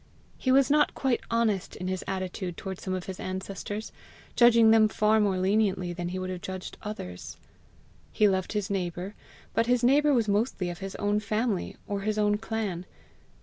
He was not quite honest in his attitude towards some of his ancestors, judging them far more leniently than he would have judged others. He loved his neighbour, but his neighbour was mostly of his own family or his own clan.